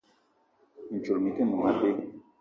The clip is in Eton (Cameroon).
Mintchoul mi-te noum abé.